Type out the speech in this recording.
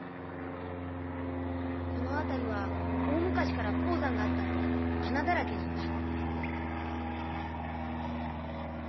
この辺りは大昔から鉱山があったんで穴だらけなんだ。